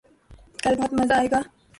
کل بہت مزہ آئے گا